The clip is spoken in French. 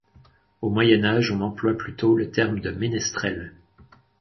Au Moyen Âge, on emploie plutôt le terme de ménestrel.